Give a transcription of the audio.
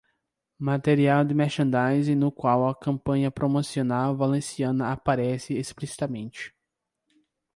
Material de merchandising no qual a campanha promocional valenciana aparece explicitamente.